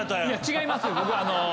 違いますよ。